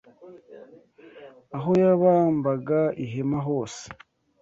Aho yabambaga ihema hose